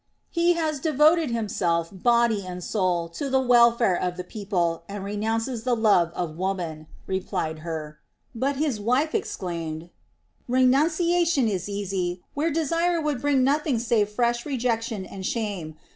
"He has devoted himself, body and soul, to the welfare of the people and renounces the love of woman," replied Hur. But his wife exclaimed: "Renunciation is easy, where desire would bring nothing save fresh rejection and shame.